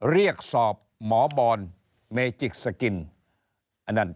เรียกสอบหมอบอลเมจิกสกิน